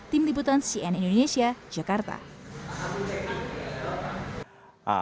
tim liputan cnn indonesia jakarta